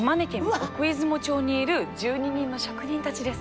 奥出雲町にいる１２人の職人たちです。